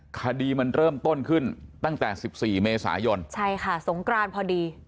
คดีมันเริ่มต้นขึ้นตั้งแต่สิบสี่เมษายนใช่ค่ะสงกรานพอดี